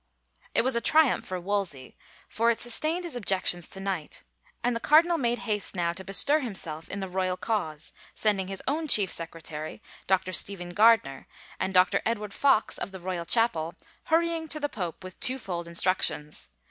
It was a triumph for Wolsey, for it sustained his objections to Knight, and the cardinal made haste now to bestir himself in the royal cause, sending his own chief sec retary, Dr. Stephen Gardiner, and Dr. Edward Foxe of the Royal Chapel, hurrying to the pope with twofold instructions.